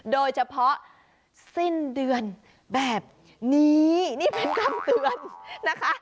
โดยเฉพาะสิ้นเดือนแบบนี้นี่เป็นคำเตือนนะคะ